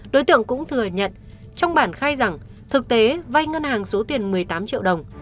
đối tượng cũng thừa nhận trong bản khai rằng thực tế vay ngân hàng số tiền một mươi tám triệu đồng